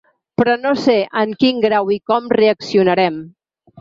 Però no sé en quin grau i com reaccionarem.